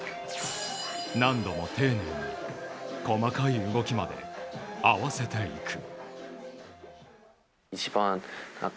何度も丁寧に細かい動きまで合わせていく。